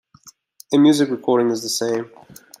A music recording is the same.